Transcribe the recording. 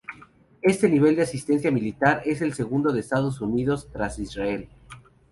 Este nivel de asistencia militar es el segundo de Estados Unidos tras Israel.